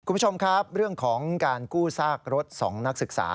คุณผู้ชมครับเรื่องของการกู้ซากรถ๒นักศึกษา